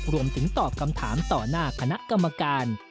รวมถึงตอบคำถามต่อหน้าคณะกรรมการ